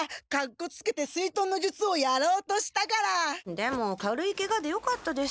でも軽いケガでよかったです。